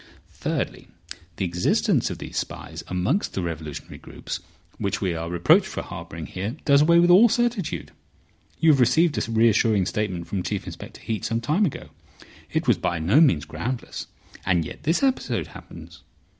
Thirdly, the existence of these spies amongst the revolutionary groups, which we are reproached for harbouring here, does away with all certitude. You have received a reassuring statement from Chief Inspector Heat some time ago. It was by no means groundless—and yet this episode happens.